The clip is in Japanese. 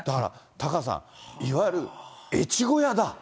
だからタカさん、いわゆる越後屋だ。